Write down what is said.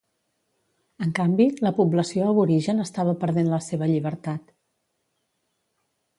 En canvi, la població aborigen estava perdent la seva llibertat.